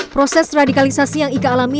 proses radikalisasi yang ika alami